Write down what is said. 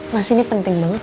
mas ini penting banget